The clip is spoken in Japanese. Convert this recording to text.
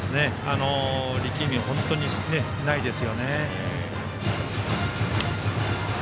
力みは本当にないですよね。